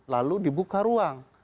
lalu dibuka ruang